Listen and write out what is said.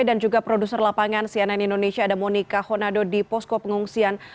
dan juga produser lapangan cnn indonesia ada monika honado di posko pengungsian